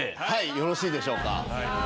よろしいでしょうか。